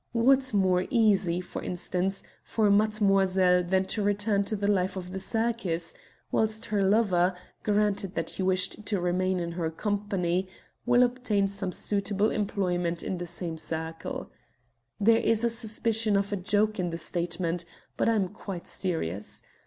What more easy, for instance, for Mademoiselle than to return to the life of the circus, whilst her lover granted that he wished to remain in her company will obtain some suitable employment in the same circle. There is a suspicion of a joke in the statement, but I am quite serious.